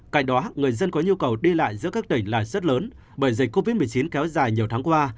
cạnh đó người dân có nhu cầu đi lại giữa các tỉnh là rất lớn bởi dịch covid một mươi chín kéo dài nhiều tháng qua